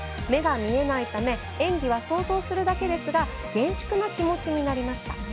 目が見えないため演技は想像するだけですが厳粛な気持ちになりました。